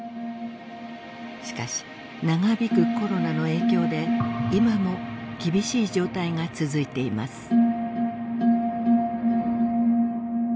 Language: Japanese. しかし長引くコロナの影響で今も厳しい状態が続いています。